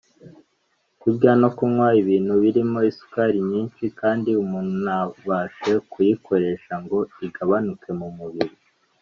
kurya no kunywa ibintu birimo isukari nyinshi kandi umuntu ntabashe kuyikoresha ngo igabanuke mu mubiri